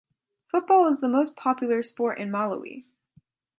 Football is the most popular sport in Malawi.